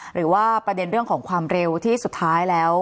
หรือว่าประเด็นเรื่องของความเร็วที่สุดท้ายแล้ว